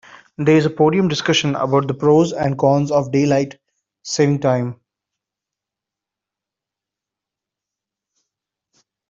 There's a podium discussion about the pros and cons of daylight saving time.